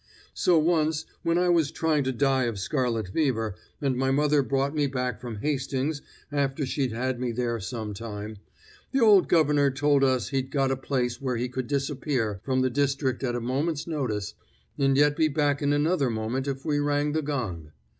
"So once when I'd been trying to die of scarlet fever, and my mother brought me back from Hastings after she'd had me there some time, the old governor told us he'd got a place where he could disappear from the district at a moment's notice and yet be back in another moment if we rang the gong.